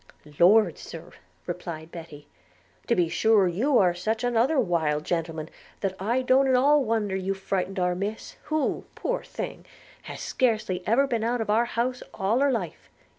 'Lord, Sir,' replied Betty, 'to be sure you are such another wild gentleman that I don't at all wonder you've frighted our Miss, who, poor thing! has scarcely ever been out of our house all her life.